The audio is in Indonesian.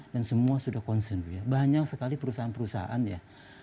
dan semua sudah konsen banyak sekali perusahaan perusahaan ya